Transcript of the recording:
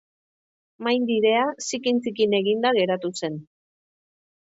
Maindirea zikin-zikin eginda geratu zen.